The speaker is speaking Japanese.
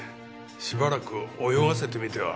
しばらく泳がせてみては。